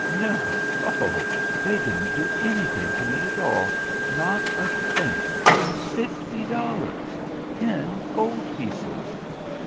No! Oh, they didn't do anything to me at all! Not a thing! Fifty dollars! Ten gold pieces!"